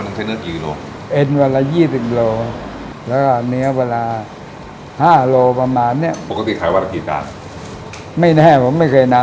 หรือเปล่าบริกิตเนื้อประมาณเนี้ยปกติขายวัตถุกิตกาไม่แน่ผมไม่เคยน้ำ